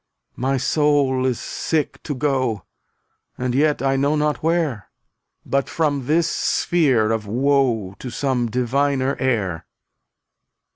My soul is sick to go And yet I know not where — But from this sphere of woe To some diviner air.